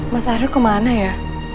mas arul kemana ya